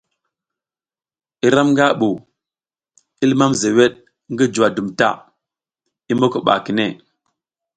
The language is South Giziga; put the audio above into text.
Iram nga bu, i limam zewed ngi juwa dum ta, i moko ba kine.